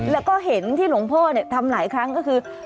แล้วก็เห็นที่หลวงพ่อทำหลายครั้งก็คือ